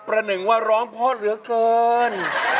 หนึ่งว่าร้องเพราะเหลือเกิน